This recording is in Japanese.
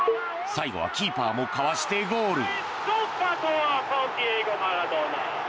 最後はキーパーもかわしてゴール。